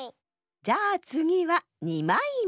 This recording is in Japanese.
じゃあつぎは２まいめ。